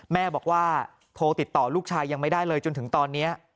แม่บอกว่าโทรติดต่อลูกชายยังไม่ได้เลยจนถึงตอนนี้